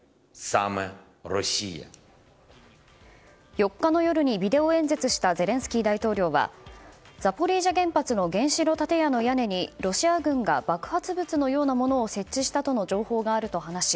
４日の夜にビデオ演説したゼレンスキー大統領はザポリージャ原発の原子炉建屋の屋根にロシア軍が爆発物のようなものを設置したとの情報があると話し